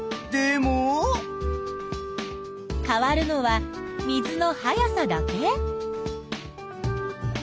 変わるのは水の速さだけ？